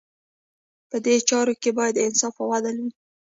په دې چارو کې باید انصاف او عدل وي.